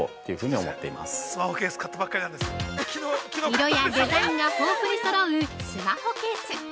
◆色やデザインが豊富にそろうスマホケース。